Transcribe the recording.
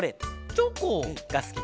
チョコ！がすきかな。